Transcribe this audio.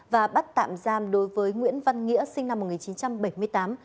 và bắt tạm giam đối với nguyễn văn nghĩa sinh năm một nghìn chín trăm bảy mươi tám